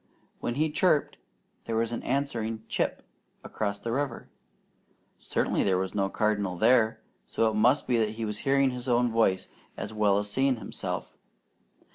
When he "chipped" there was an answering "Chip" across the river; certainly there was no cardinal there, so it must be that he was hearing his own voice as well as seeing himself.